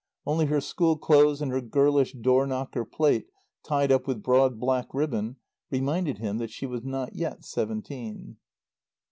Only her school clothes and her girlish door knocker plait tied up with broad black ribbon reminded him that she was not yet seventeen.